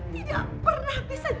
tidak pernah bisa